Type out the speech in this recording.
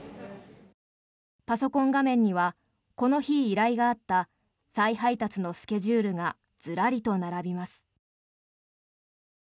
パソコン画面にはこの日、依頼があった再配達のスケジュールがずらりと並びます。